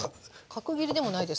角切りでもないですか？